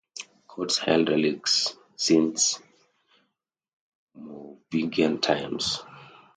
Courts held relics since Merovingian times.